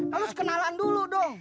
lalu sekenalan dulu dong